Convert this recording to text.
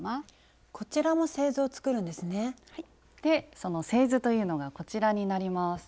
その製図というのがこちらになります。